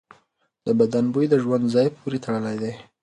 د بدن بوی د ژوند ځای پورې تړلی دی.